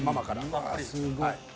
うわすごっ。